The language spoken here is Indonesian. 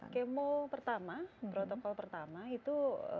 kemo pertama protokol pertama itu